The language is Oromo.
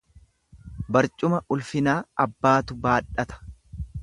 Barcuma ulfinaa abbaatu baadhata.